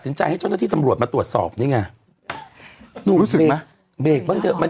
สินใจให้เจ้าท่านที่ตำรวจมาตรวจสอบนี่ไงรู้สึกมั้ยมัน